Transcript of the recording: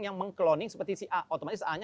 yang meng cloning seperti si a otomatis a